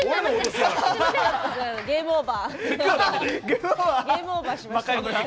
ゲームオーバーしました。